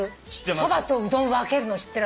そばとうどん分けるの知ってる？